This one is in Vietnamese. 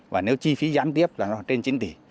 và nếu chi phí gián tiếp là nó trên chín tỷ